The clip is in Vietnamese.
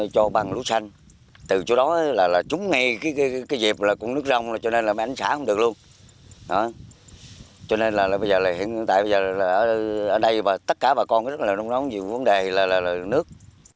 còn rất là đông đống nhiều vấn đề là nước